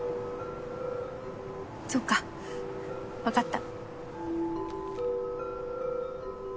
そっかわかった。